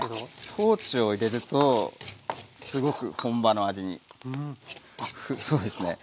トーチを入れるとすごく本場の味にそうですね